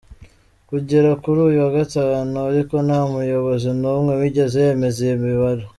Kugera kuri uyu wa Gatanu ariko nta muyobozi n’umwe wigeze yemeza iyi mibare.